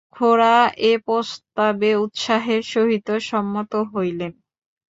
খুড়া এ প্রস্তাবে উৎসাহের সহিত সম্মত হইলেন।